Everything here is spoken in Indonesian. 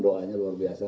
doanya luar biasa